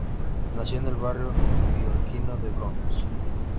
Nació en el barrio neoyorquino del Bronx.